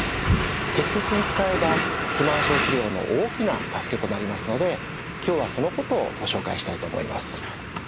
適切に使えば肥満症治療の大きな助けとなりますので今日はそのことをご紹介したいと思います。